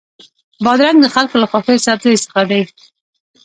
بادرنګ د خلکو له خوښو سبزیو څخه دی.